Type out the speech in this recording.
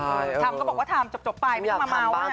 ทำก็บอกว่าทำจบไปไม่ต้องมาเมาส์